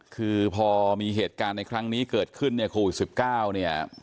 คือพอมีเหตุการณ์ในครั้งนี้เกิดขึ้นโควิด๑๙